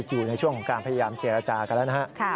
อยู่ในช่วงของการพยายามเจรจากันแล้วนะฮะ